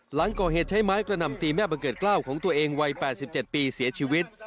หลังก่อเหตุใช้ไม้กระหน่ำตีแม่บังเกิดกล้าวของตัวเองวัย๘๗ปีเสียชีวิต